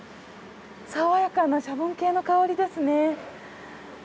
爽やかなシャボン系の香りですね。